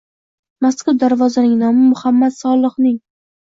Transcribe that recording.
Mazkur darvozaning nomi Muhammad Solihning